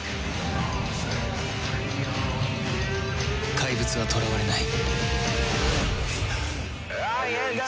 怪物は囚われない